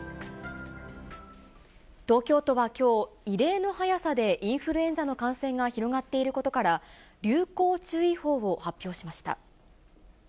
東京都はきょう、異例の速さでインフルエンザの感染が広がっていることから、流行注意報を発表しました。